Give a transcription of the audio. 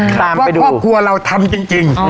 เพราะว่าครอบครัวเราทำจริง